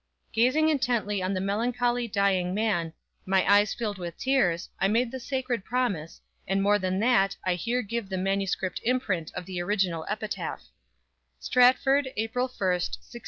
Gazing intently on the melancholy, dying man, my eyes filled with tears, I made the sacred promise, and more than that, I here give the manuscript imprint of the original epitaph: _STRATFORD, APRIL 1st, 1616.